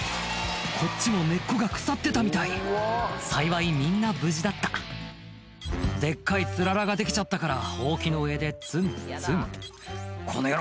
こっちも根っこが腐ってたみたい幸いみんな無事だったデッカいつららができちゃったからほうきの柄でつんつん「この野郎！